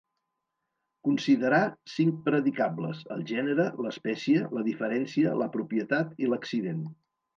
Considerà cinc predicables: el gènere, l'espècie, la diferència, la propietat i l'accident.